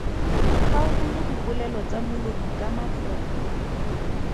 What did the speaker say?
Kgaoganya dipolelo tsa molomo ka mafoko.